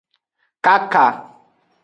Kaka.